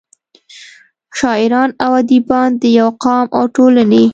شاعران او اديبان دَيو قام او ټولنې